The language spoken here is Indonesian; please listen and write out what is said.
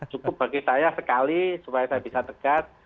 cukup bagi saya sekali supaya saya bisa tegas